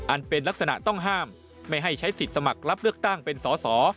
เป็นลักษณะต้องห้ามไม่ให้ใช้สิทธิ์สมัครรับเลือกตั้งเป็นสอสอ